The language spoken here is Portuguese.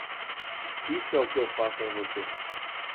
Isso é o que eu faço em você.